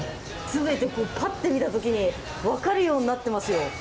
パッて見たときに分かるようになってますよ。